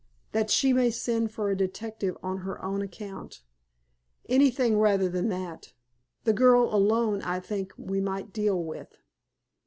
"That she may send for a detective on her own account. Anything rather than that! The girl alone I think we might deal with."